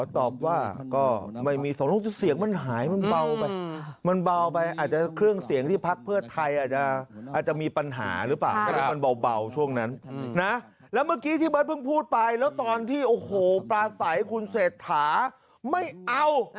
ที่เบิร์ดพึ่งพูดไปแล้วตอนที่ประสัยคุณเศษฐาไม่เอา